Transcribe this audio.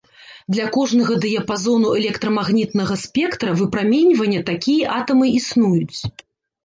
Для кожнага дыяпазону электрамагнітнага спектра выпраменьвання такія атамы існуюць.